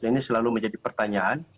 ini selalu menjadi pertanyaan